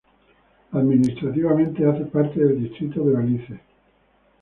Administrativamente hace parte del Distrito de Belice.